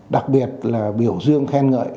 đặc biệt là biểu dương khen ngợi